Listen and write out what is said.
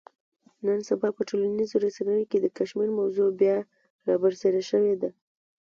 نن سبا په ټولنیزو رسنیو کې د کشمیر موضوع بیا را برسېره شوې ده.